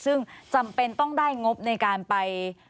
ซึ่งจำเป็นต้องได้งบในการไป